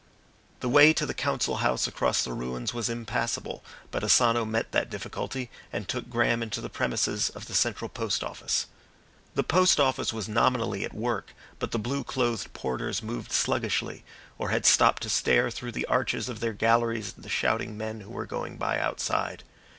The way to the Council House across the ruins was impassable, but Asano met that difficulty and took Graham into the premises of the central post office. The post office was nominally at work, but the blue clothed porters moved sluggishly or had stopped to stare through the arches of their galleries at the shouting men who were going by outside.